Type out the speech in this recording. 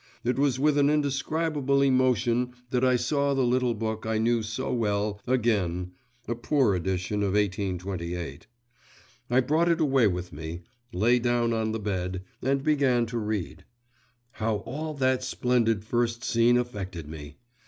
It was with an indescribable emotion that I saw the little book I knew so well, again (a poor edition of 1828). I brought it away with me, lay down on the bed, and began to read. How all that splendid first scene affected me!